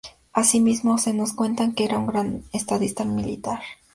Así mismo, se nos cuenta que era un gran estadista y militar.